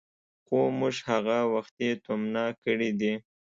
خو موږ هغه وختي تومنه کړي دي.